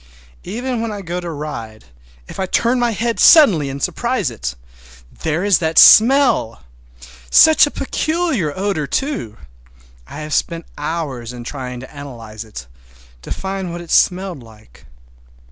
Even when I go to ride, if I turn my head suddenly and surprise it—there is that smell! Such a peculiar odor, too! I have spent hours in trying to analyze it, to find what it smelled like.